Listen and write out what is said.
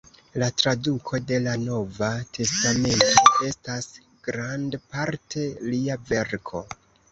La traduko de la "Nova testamento" estas grandparte lia verko.